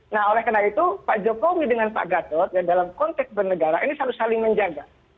nah oleh karena itu pak jokowi dengan pak gatot ya dalam konteks bernegara ini harus saling menjaga